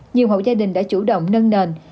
nhiều hậu gia đình đã chủ động nâng nền